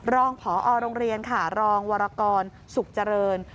รองพอโรงเรียนค่ะรองวรกรสุขเจริญ